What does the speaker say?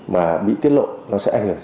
mà bị tiết lộ nó sẽ ảnh hưởng